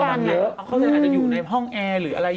เขาอาจจะอยู่ในห้องแอร์หรืออะไรอยู่ด้วย